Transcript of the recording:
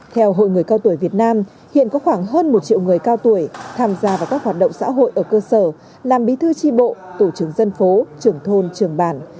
theo hội người cao tuổi việt nam hiện có khoảng hơn một triệu người cao tuổi tham gia vào các hoạt động xã hội ở cơ sở làm bí thư tri bộ tổ trưởng dân phố trưởng thôn trường bản